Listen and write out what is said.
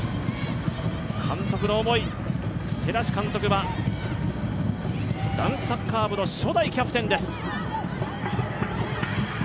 監督の思い、寺師監督は男子サッカー部の初代キャプテンです。